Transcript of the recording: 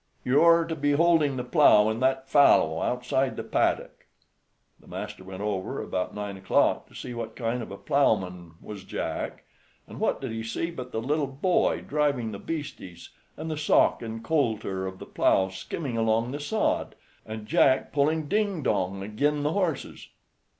"You are to be holding the plow in that fallow, outside the paddock." The master went over about nine o'clock to see what kind of a plowman was Jack, and what did he see but the little boy driving the bastes, and the sock and coulter of the plow skimming along the sod, and Jack pulling ding dong agin' the horses.